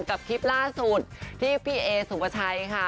กับคลิปล่าสุดที่พี่เอสุปชัยค่ะ